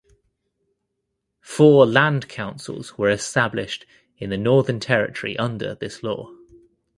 Four Land Councils were established in the Northern Territory under this law.